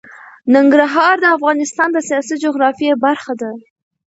ننګرهار د افغانستان د سیاسي جغرافیه برخه ده.